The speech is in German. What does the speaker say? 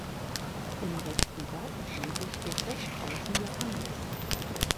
Im rechten Seitenflügel steht rechts außen Johannes.